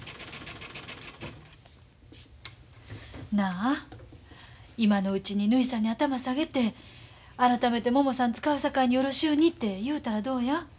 なあ今のうちにぬひさんに頭下げて改めてももさん使うさかいによろしゅうにて言うたらどうや？